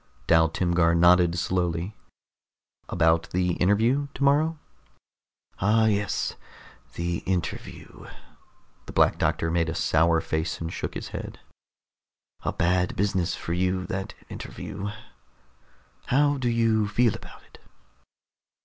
Dal Timgar nodded slowly. "About the interview tomorrow?" "Ah, yes. The interview." The Black Doctor made a sour face and shook his head. "A bad business for you, that interview. How do you feel about it?"